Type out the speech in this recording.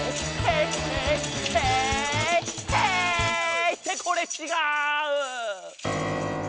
ヘイ！」ってこれちがう！